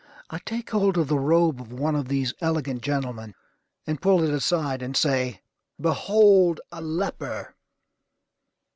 I take hold of the robe of one of these elegant gentlemen, and pull it aside, and say, "Behold a Leper!"